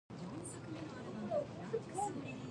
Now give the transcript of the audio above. Reserves were therefore placed to respond to this.